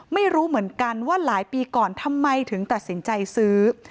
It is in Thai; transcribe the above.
ไม่รู้เหมือนกันว่าหลายปีก่อนทำไมถึงตัดสินใจซื้อ